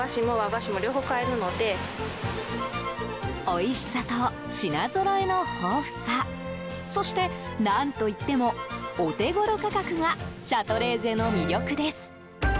おいしさと品ぞろえの豊富さそして何といっても、お手頃価格がシャトレーゼの魅力です。